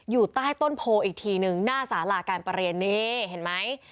อยู่ใต้ต้นโพอีกทีหนึ่งหน้าสาลาการประเรียนนี่เห็นไหม